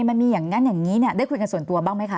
มันมีอย่างนั้นอย่างนี้ได้คุยกันส่วนตัวบ้างไหมคะ